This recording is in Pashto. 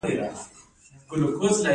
د سید اباد مڼې مشهورې دي